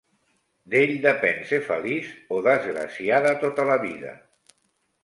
D'ell depèn ser feliç o desgraciada tota la vida;